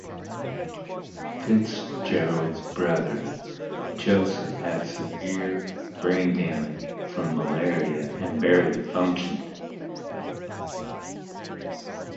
Fitzgerald's brother Joseph had severe brain damage from malaria and barely functioned.